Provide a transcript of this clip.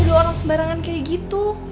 aduh orang sembarangan kayak gitu